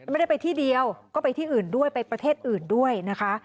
ไม่ได้ไปที่เดียวก็ไปที่อื่นด้วยไปประเทศอื่นด้วยนะคะ